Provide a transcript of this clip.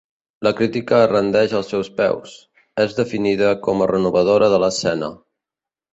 La crítica es rendeix als seus peus; és definida com a renovadora de l'escena.